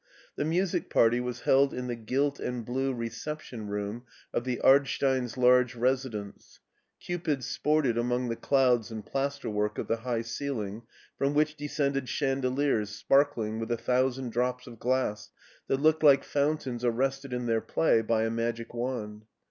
The music party was held in the gilt and blue reception room of the Ardstein's large residence; cupids sported among the clouds and plasterwork of the high ceiling, from which descended chandeliers sparkling with a thousand drops of glass that looked like fountains arrested in their play by a magic wand.